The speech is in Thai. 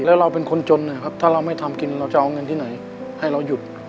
แล้วเราเป็นคนจนนะครับถ้าเราไม่ทำกินเราจะเอาเงินที่ไหนให้เราหยุด